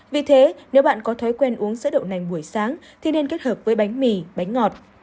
vì thế nếu bạn có thói quen uống sữa đậu nành buổi sáng thì nên kết hợp với bánh mì bánh ngọt